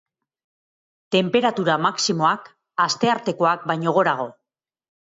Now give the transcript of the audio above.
Tenperatura maximoak, asteartekoak baino gorago.